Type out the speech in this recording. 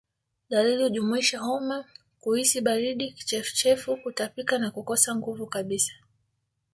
Dalili hujumuisha homa kuhisi baridi kichefuchefu Kutapika na kukosa nguvu kabisa